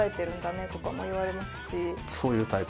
そういうタイプ。